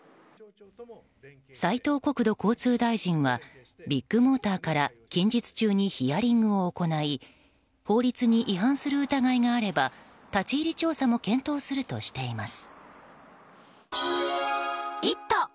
斉藤国土交通大臣はビッグモーターから近日中にヒアリングを行い法律に違反する疑いがあれば立ち入り調査も検討するとしています。